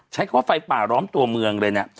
ใช้คำว่าไฟป่าล้อมตัวเมืองเลยนะ